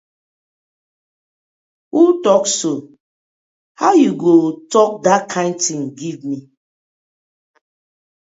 Who tok so, how yu go tok dat kind tin giv mi.